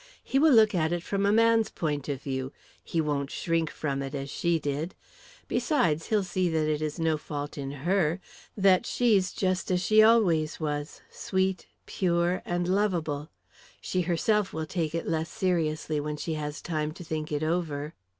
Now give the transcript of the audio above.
He will look at it from a man's point of view; he won't shrink from it as she did; besides, he'll see that it is no fault in her, that she's just as she always was, sweet, pure, and lovable. She herself will take it less seriously when she has time to think it over."